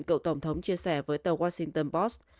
cậu tổng thống chia sẻ với tờ washington post